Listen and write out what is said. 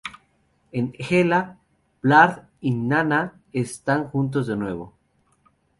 En Hela, Baldr y Nanna están juntos de nuevo.